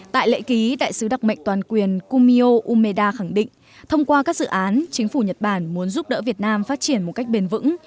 tại lễ ký đại sứ đặc mệnh toàn quyền kumio umeda khẳng định thông qua các dự án chính phủ nhật bản muốn giúp đỡ việt nam phát triển một cách bền vững